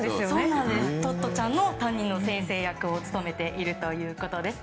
トットちゃんの担任の先生役を務めているということです。